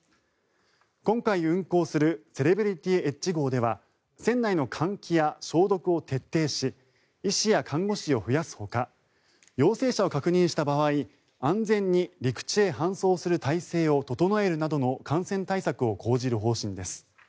今回、運航する「セレブリティ・エッジ号」では船内の換気や消毒を徹底し医師や看護師を増やすほか陽性者を確認した場合安全に陸地へ搬送する体制を整えるなど感染対策を講じる方針です。